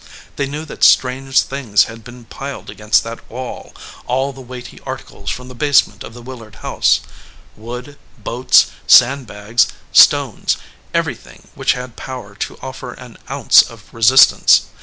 They knew that strange things had been piled against that wall ; all the weighty articles from the basement of the Wil lard house wood, boats, sandbags, stones, every thing which had power to offer an ounce of resist ance.